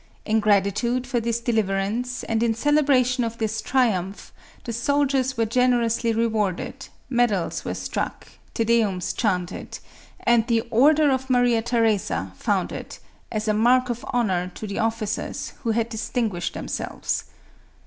In gratitude for this deliverance, and in celebration of this triumph, the soldiers were generous ly rewarded, medals were struck, Te Deums chanted, and the " Order of Maria Theresa" founded, as a mark of honor to the officers who had distinguished them selves.